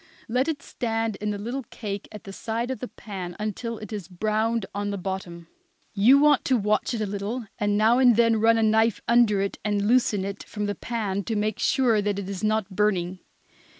Let it stand in the little cake at the side of the pan until it is browned on the bottom. You want to watch it a little, and now and then run a knife under it and loosen it from the pan, to make sure that it is not burning.